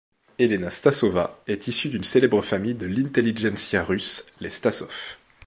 Elena Stassova est issue d’une célèbre famille de l’intelligentsia russe, les Stassov.